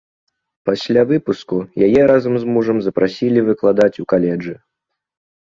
Пасля выпуску яе разам з мужам запрасілі выкладаць у каледжы.